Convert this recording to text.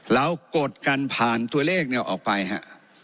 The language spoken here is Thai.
กดกันผ่านตัวเลขเนี่ยออกไปฮะ